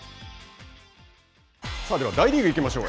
では大リーグ行きましょう。